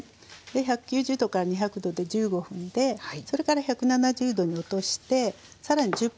１９０℃から２００℃で１５分でそれから１７０℃に落としてさらに１０分焼きます。